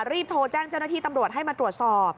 รีบโทรแจ้งเจ้าหน้าที่ตำรวจให้มาตรวจสอบ